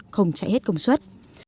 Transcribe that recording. không chạy hết công suất